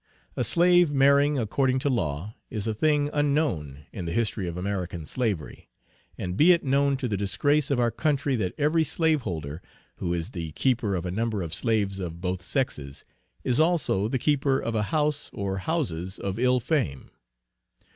A slave marrying according to law, is a thing unknown in the history of American Slavery. And be it known to the disgrace of our country that every slaveholder, who is the keeper of a number of slaves of both sexes, is also the keeper of a house or houses of ill fame.